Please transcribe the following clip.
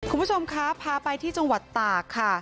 คุณผู้ชมครับพาไปที่จังหวัดตากค่ะ